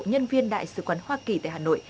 nhân viên đại sứ quán hoa kỳ tại hà nội